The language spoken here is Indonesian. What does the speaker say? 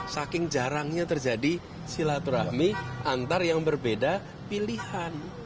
saking jarangnya terjadi silaturahmi antar yang berbeda pilihan